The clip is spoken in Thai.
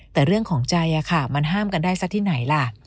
แต่เรื่องของใจมันห้ามกันได้สักที่ไหนล่ะ